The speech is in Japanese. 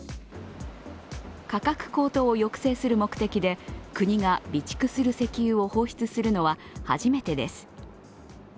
価格高騰を抑制する目的で国が備蓄する石油を放出するのは初めてです。